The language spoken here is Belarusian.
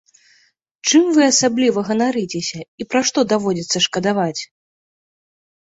Чым вы асабліва ганарыцеся і пра што даводзіцца шкадаваць?